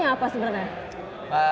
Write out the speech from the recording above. maknanya apa sebenarnya